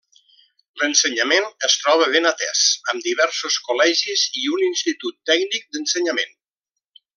L'ensenyament es troba ben atés, amb diversos col·legis i un Institut Tècnic d'Ensenyament.